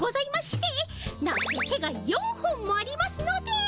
なにせ手が４本もありますので。